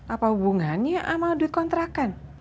apa hubungannya sama audit kontrakan